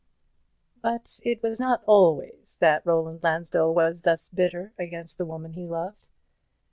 But it was not always that Roland Lansdell was thus bitter against the woman he loved.